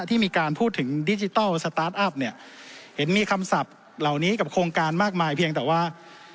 ที่มีการพูดถึงดิจิทัลสตาร์ทอัพเนี่ยเห็นมีคำศัพท์เหล่านี้กับโครงการมากมายเพียงแต่ว่า